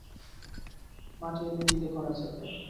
মাটি এনে দিলে করা যাবে।